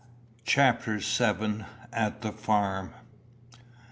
CHAPTER VII. AT THE FARM.